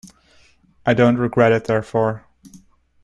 I don't regret it therefore.